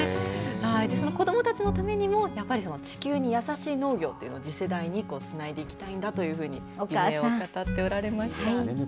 その子どもたちのためにも地球にやさしい農業を次世代につなげていきたいんだというふうに夢を語っておられました。